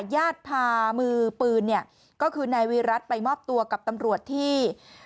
ญาติพามือปืนเนี่ยก็คือนายวิรัติไปมอบตัวกับตำรวจที่